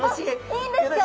いいんですか？